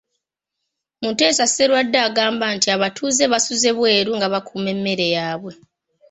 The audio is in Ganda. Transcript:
Muteesa Sserwadda agamba nti abatuuze basuze bweru nga bakuuma emmere yaabwe